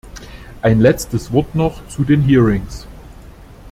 Ein letztes Wort noch zu den Hearings.